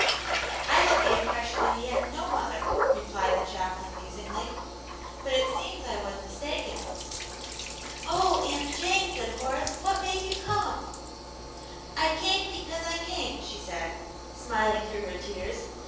" I had the impression that he had no mother," replied the chaplain, musingly ;but it seems I was mistaken." " Oh, Aunt Jane !" said Horace, " what made you come? "I came because I came," she said^ smiling through her tears.